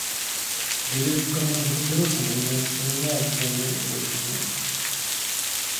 Я лезу в карман за папиросами, но вспоминаю, что у меня их больше нет.